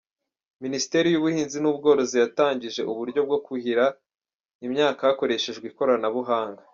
Minisiteri y’Ubuhinzi n’Ubworozi yatangije uburyo bwo kuhira imyaka hakoreshejwe ikoranahuhanga.